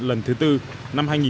lần thứ hai